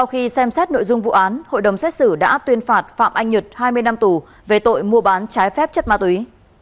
hội đồng xét xử đã tuyên phạt phạm anh nhật hai mươi năm tù về tội mua bán trái phép chất ma túy